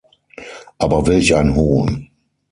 Aber welch ein Hohn!